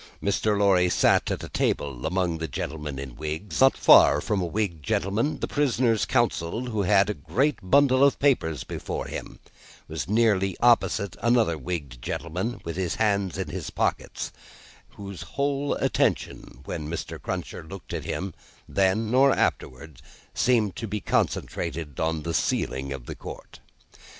Mr. Lorry sat at a table, among the gentlemen in wigs: not far from a wigged gentleman, the prisoner's counsel, who had a great bundle of papers before him: and nearly opposite another wigged gentleman with his hands in his pockets, whose whole attention, when Mr. Cruncher looked at him then or afterwards, seemed to be concentrated on the ceiling of the court.